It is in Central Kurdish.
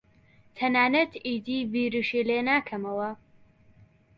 تەنانەت ئیدی بیریشی لێ ناکەمەوە.